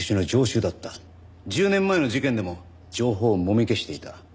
１０年前の事件でも情報をもみ消していた。